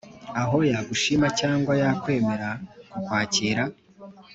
aho yagushima cyangwa yakwemera kukwakira?